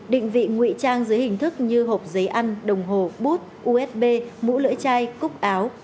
định vị ngụy trang dưới hình thức như hộp giấy ăn đồng hồ bút usb mũ lưỡi chai cúc áo